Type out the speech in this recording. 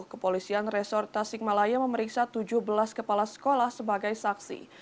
kepolisian resort tasikmalaya memeriksa tujuh belas kepala sekolah sebagai saksi